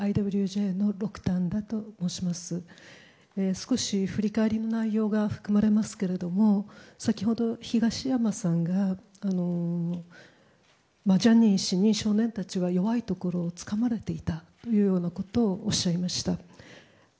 少し振り返りの内容が含まれますが先ほど東山さんがジャニー氏に少年たちは弱いところをつかまれていたというようなことをおっしゃいました。